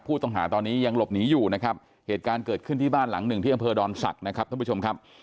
ผู้ต้องหาตอนนี้ยังหลบหนีอยู่นะครับเหตุการณ์เกิดขึ้นที่บ้านหลังหนึ่งที่อำเภอดอนศักดิ์นะครับท่านผู้ชมครับ